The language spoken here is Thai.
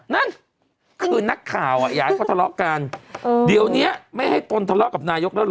นั่นคือนักข่าวอ่ะอยากให้เขาทะเลาะกันเดี๋ยวนี้ไม่ให้ตนทะเลาะกับนายกแล้วเหรอ